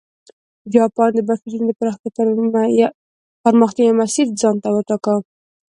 جاپان د بنسټونو د پراختیا یو مسیر ځان ته وټاکه.